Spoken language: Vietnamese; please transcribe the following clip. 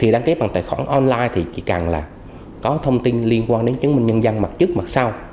đăng ký bằng tài khoản online thì chỉ cần là có thông tin liên quan đến chứng minh nhân dân mặt chức mặt sau